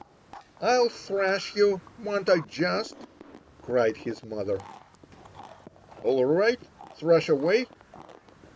"I'll thrash you, won't I just!" cried his mother. "All right! thrash away!"